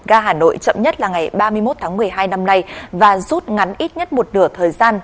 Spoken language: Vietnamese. ga hà nội chậm nhất là ngày ba mươi một tháng một mươi hai năm nay và rút ngắn ít nhất một nửa thời gian